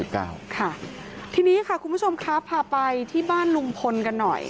ค่ะทีนี้ค่ะคุณผู้ชมครับพาไปที่บ้านลุงพลกันหน่อย